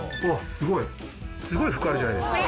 すごい服あるじゃないですか。